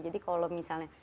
jadi kalau misalnya